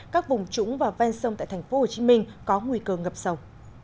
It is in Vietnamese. các vùng trũng và ven sông tại tp hcm có nguy cơ ngập sâu